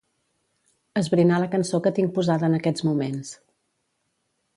Esbrinar la cançó que tinc posada en aquests moments.